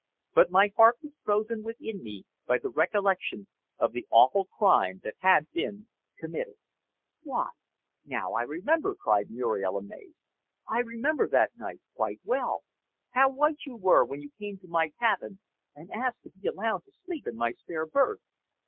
But my heart was frozen within me by the recollection of the awful crime that had been committed." "Why! Now I remember!" cried Muriel, amazed. "I remember that night quite well, how white you were when you came to my cabin and asked to be allowed to sleep in my spare berth.